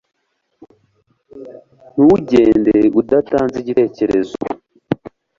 Ntugende udatanze igitekerezo